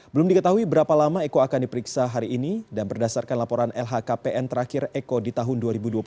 belum diketahui berapa lama eko akan diperiksa hari ini dan berdasarkan laporan lhkpn terakhir eko di tahun dua ribu dua puluh